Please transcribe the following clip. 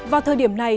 vào thời điểm này